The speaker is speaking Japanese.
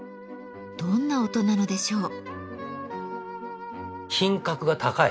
どんな音なのでしょう？